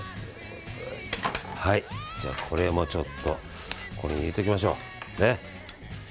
これもちょっとこれに入れておきましょう。